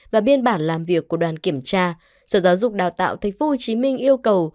và biên bản làm việc của đoàn kiểm tra sở giáo dục đào tạo tp hcm yêu cầu